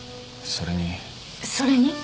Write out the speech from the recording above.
それに？